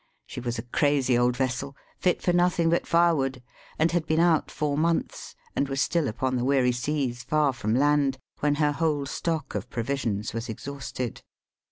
She was a crazy old vessel, fit for nothing but firewood, and had been out four months, and was still upon the weary seas far from land, when her whole stock of provisions was exhausted.